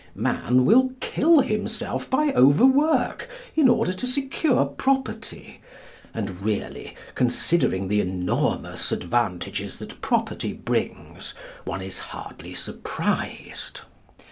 Man will kill himself by overwork in order to secure property, and really, considering the enormous advantages that property brings, one is hardly surprised.